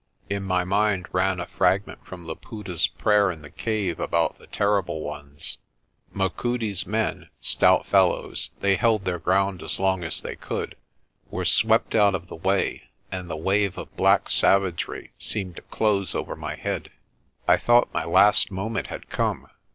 In my mind ran a fragment from Laputa's prayer in the cave about the "Terrible Ones." Machudi's men stout fellows, they held their ground as long as they could were swept out of the way, and the wave of black savagery seemed to close over my head. I thought my last moment had come.